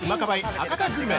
博多グルメ